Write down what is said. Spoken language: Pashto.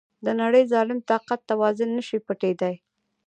د نړی ظالم طاقت توازن نشي پټیدای.